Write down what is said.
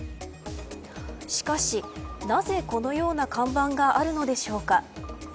しかしなぜこのような看板があるのでしょうか。